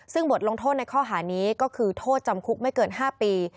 ซึ่งบทลงโทษในข้อหานี้ก็คือโทษจำคุกไม่เกิน๕ปี